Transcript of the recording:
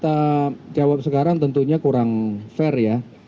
kita jawab sekarang tentunya kurang fair ya